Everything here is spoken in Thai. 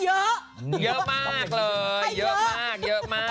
เยอะมากเลยเยอะมากเยอะ